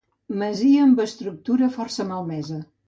Masia amb estructura força malmesa.